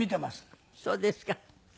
そうですか。